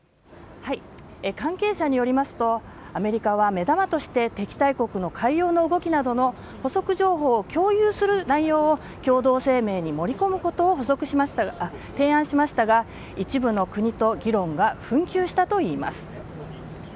関係者によりますと、アメリカは、目玉として敵対国の海洋の動きなどの補足情報を共有する内容を共同声明に盛り込むことを提案しましたが、一部の国と議論が紛糾したといいます。